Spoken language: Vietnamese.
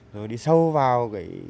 rồi đi sâu vào